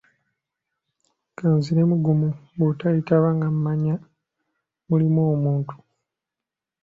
Ka nziremu gumu bw'otoyitaba nga mmanya mulimu omuntu.